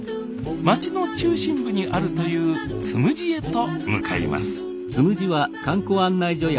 町の中心部にあるというつむじへと向かいます「つむじ」や。